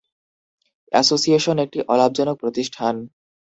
Association একটি অলাভজনক প্রতিষ্ঠান।